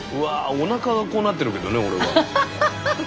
おなかがこうなってるけどね俺は。